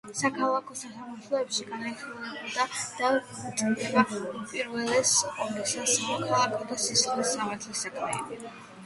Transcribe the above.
საქალაქო სასამართლოებში განიხილება და წყდება უპირველეს ყოვლისა სამოქალაქო და სისხლის სამართლის საქმეები.